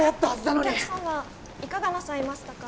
・お客様いかがなさいましたか？